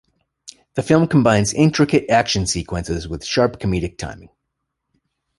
The film combines intricate action sequences with sharp comedic timing.